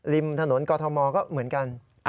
ริมถนนกอทมก็เหมือนกัน